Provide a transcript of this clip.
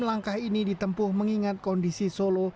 langkah ini ditempuh mengingat kondisi solo